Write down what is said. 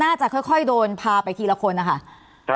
น่าจะค่อยโดนพาไปทีละคนนะคะ